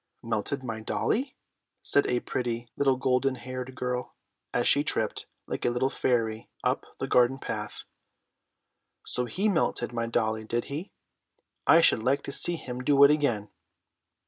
"Melted my dollie!" said a pretty little golden haired girl, as she tripped like a little fairy up the garden path. "So he melted my dollie, did he? I should like to see him do it again!"